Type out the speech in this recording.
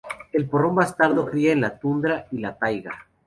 El porrón bastardo cría en la tundra y la taiga.